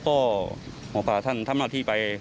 ก็หมอปลาท่านทำหน้าที่ไป